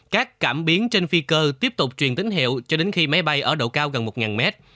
các cảm biến trên phi cơ tiếp tục truyền tín hiệu cho đến khi máy bay ở độ cao gần một mét